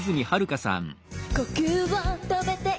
「呼吸を止めて１秒」